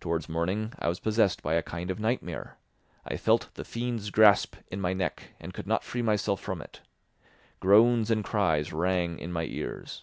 Towards morning I was possessed by a kind of nightmare; I felt the fiend's grasp in my neck and could not free myself from it; groans and cries rang in my ears.